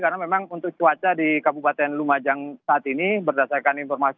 karena memang untuk cuaca di kabupaten lumajang saat ini berdasarkan informasi